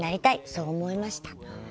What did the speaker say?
そう思いました」。